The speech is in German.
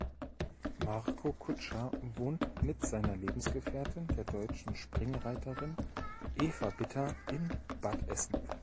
Marco Kutscher wohnt mit seiner Lebensgefährtin, der deutschen Springreiterin Eva Bitter, in Bad Essen.